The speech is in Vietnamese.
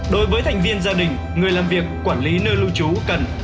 đối với thành viên gia đình người làm việc quản lý nơi lưu trú cần